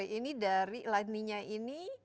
ini dari laninya ini